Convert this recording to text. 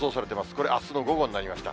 これ、あすの午後になりました。